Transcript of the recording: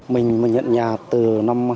mình nhận nhà từ năm hai nghìn một mươi một